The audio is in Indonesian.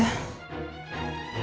aku kemaren ngerubah banyak asap